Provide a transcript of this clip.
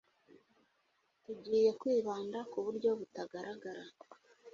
Tugiye Kwibanda ku buryo butagaragara